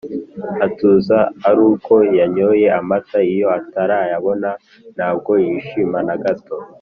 Atuza aruko yanyoye amata iyo atarayabona ntabwo yishima nagato